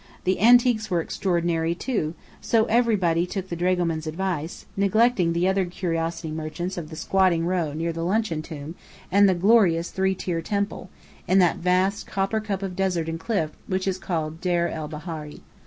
The antiques were extraordinary, too, so everybody took the dragoman's advice, neglecting the other curiosity merchants of the squatting row near the luncheon tomb and the glorious three tier temple, in that vast copper cup of desert and cliff which is called Der el Bahari.